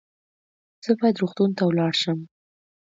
زه باید روغتون ته ولاړ سم